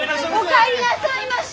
お帰りなさいまし！